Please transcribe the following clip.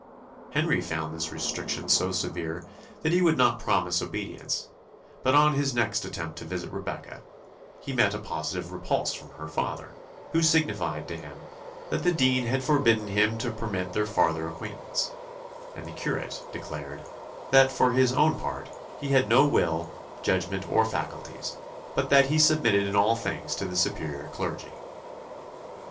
Henry found this restriction so severe that he would not promise obedience; but on his next attempt to visit Rebecca he met a positive repulse from her father, who signified to him, "that the dean had forbidden him to permit their farther acquaintance;" and the curate declared "that, for his own part, he had no will, judgment, or faculties, but that he submitted in all things to the superior clergy."